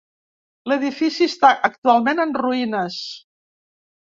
L'edifici està actualment en ruïnes.